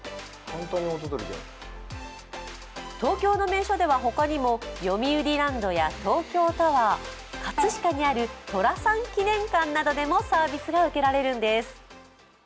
東京の名所では、ほかにもよみうりランドや東京タワー、葛飾にある寅さん記念館などでもサービスが受けられるんです。